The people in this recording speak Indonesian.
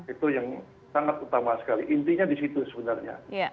itu yang sangat utama sekali intinya di situ sebenarnya